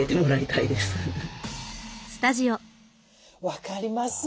分かります。